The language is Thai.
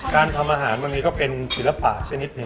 การทำอาหารบางทีก็เป็นศิลปะชนิดหนึ่ง